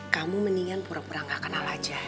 kamu mendingan pura pura gak kenal aja